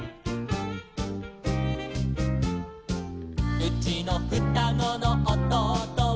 「うちのふたごのおとうとは」